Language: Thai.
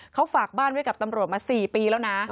เขาฝากบ้านไว้กับตำรวจมา๔ปีแล้วนะ